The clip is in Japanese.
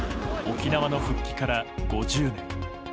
沖縄の復帰から５０年。